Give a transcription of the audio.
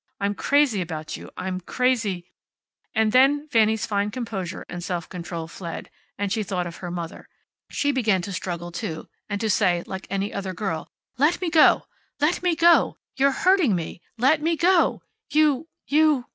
I'm crazy about you. I'm crazy " And then Fanny's fine composure and self control fled, and she thought of her mother. She began to struggle, too, and to say, like any other girl, "Let me go! Let me go! You're hurting me. Let me go! You! You!"